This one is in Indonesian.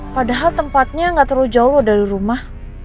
padahal tempatnya nggak terlalu jauh dari rumah